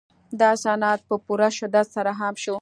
دا صنعت په پوره شدت سره عام شو